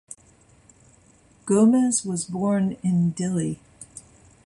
Gomes was born in Dili.